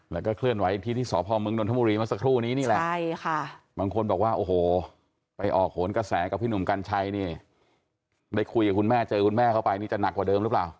แล้วก็เคลื่อนไหวที่ที่สพมดนทมุรีมาสักครู่นี้นี่แหละ